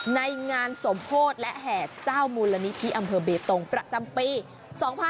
ในงานสมโพธิและแห่เจ้ามูลนิธิอำเภอเบตงประจำปี๒๕๖๒